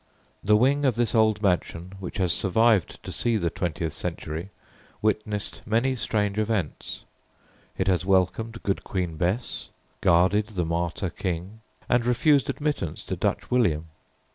The wing of this old mansion which has survived to see the twentieth century witnessed many strange events. It has welcomed good Queen Bess, guarded the Martyr King, and refused admittance to Dutch William.